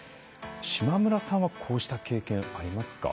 志磨村さんはこうした経験ありますか？